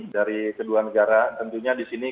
dari kedua negara tentunya disini